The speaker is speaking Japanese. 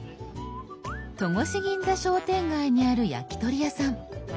戸越銀座商店街にある焼き鳥屋さん。